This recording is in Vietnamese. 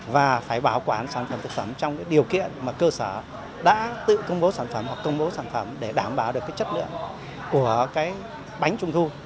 và phải bảo quản sản phẩm thực phẩm trong cái điều kiện mà cơ sở đã tự công bố sản phẩm hoặc công bố sản phẩm để đảm bảo được cái chất lượng của cái bánh trung thu